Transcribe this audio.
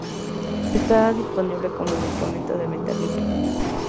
Está disponible como medicamento de venta libre.